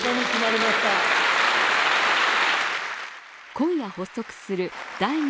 今夜発足する第２